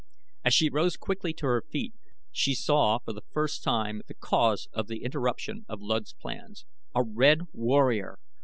As she rose quickly to her feet she saw for the first time the cause of the interruption of Luud's plans. A red warrior!